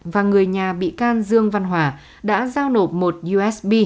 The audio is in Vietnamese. và người nhà bị can dương văn hòa đã giao nộp một dự án